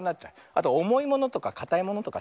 あとおもいものとかかたいものとか。